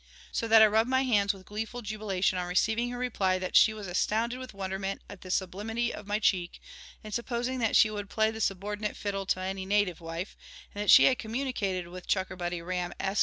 So that I rubbed my hands with gleeful jubilation on receiving her reply that she was astounded with wonderment at the sublimity of my cheek in supposing that she would play the subordinate fiddle to any native wife, and that she had communicated with CHUCKERBUTTY RAM, Esq.